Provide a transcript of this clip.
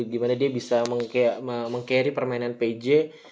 gimana dia bisa meng carry permainan p j